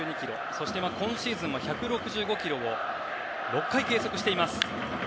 そして今シーズンは１６５キロを６回計測しています。